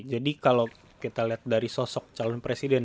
jadi kalau kita lihat dari sosok calon presiden